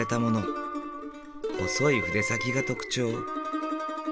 細い筆先が特徴。